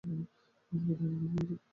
বর্তমানে তিনি পলাতক আছেন।